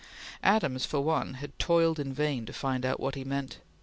Adams, for one, had toiled in vain to find out what he meant.